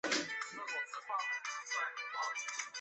曾为西非海岸的虾蟹物种编写过三套数据库。